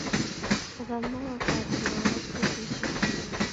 دادامنىڭ ۋاپاتىنى ئاڭلاپ كۆز يېشى قىلدى.